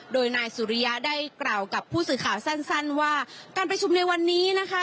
โดยนายสุริยะได้กล่าวกับผู้สื่อข่าวสั้นว่าการประชุมในวันนี้นะคะ